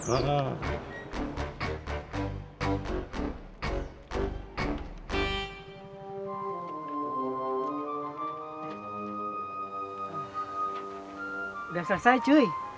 udah selesai cuy